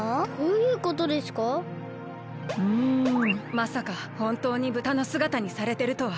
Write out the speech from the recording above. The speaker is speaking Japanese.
まさかほんとうにブタのすがたにされてるとは。